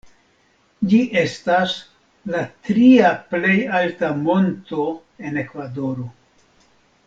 Ĝi estas la tria plej alta monto en Ekvadoro.